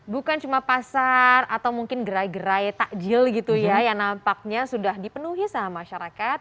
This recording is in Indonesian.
bukan cuma pasar atau mungkin gerai gerai takjil gitu ya yang nampaknya sudah dipenuhi sama masyarakat